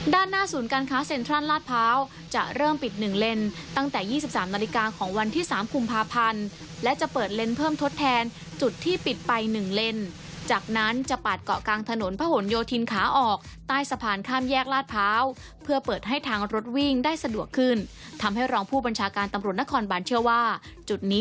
ด้านหน้าศูนย์การค้าเซ็นทรัลลาดพร้าวจะเริ่มปิดหนึ่งเลนตั้งแต่๒๓นาฬิกาของวันที่๓กุมภาพันธ์และจะเปิดเลนส์เพิ่มทดแทนจุดที่ปิดไป๑เลนจากนั้นจะปาดเกาะกลางถนนพระหลโยธินขาออกใต้สะพานข้ามแยกลาดพร้าวเพื่อเปิดให้ทางรถวิ่งได้สะดวกขึ้นทำให้รองผู้บัญชาการตำรวจนครบานเชื่อว่าจุดนี้